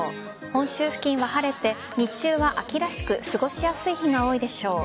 本州付近は晴れて日中は秋らしく過ごしやすい日が多いでしょう。